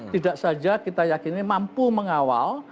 tidak saja kita yakin ini mampu mengawal